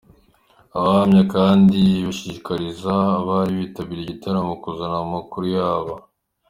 abahamya kandi ishishikariza abari bitabiriye igitaramo kuzana amakuru yaba.